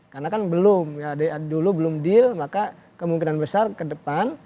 karena kan belum dulu belum deal maka kemungkinan besar ke depan